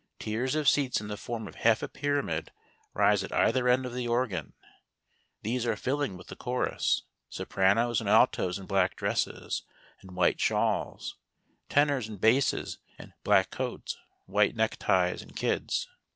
Tiers of seats in the form of half a pyramid rise at either end of the organ. These are filling with the chorus — sopranos and altos in black dresses and white shawls, tenors and basses in black coats, white neck ties and kids.